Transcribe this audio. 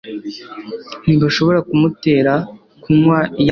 ntibashobora kumutera kunywa iyo atabishaka